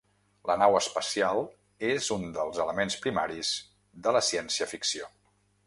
La nau espacial és un dels elements primaris de la ciència-ficció.